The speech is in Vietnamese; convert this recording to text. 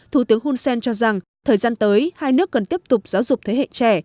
thủ tướng hun sen cho rằng thời gian tới hai nước cần tiếp tục giáo dục thế hệ trẻ